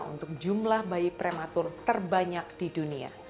untuk jumlah bayi prematur terbanyak di dunia